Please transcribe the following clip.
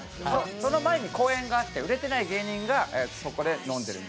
その前に公園があって売れてない芸人がそこで飲んでるみたいな。